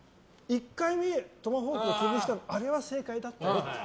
１回目、トマホークを潰したのはあれは正解だったよって。